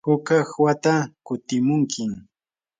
hukaq wata kutimunkim.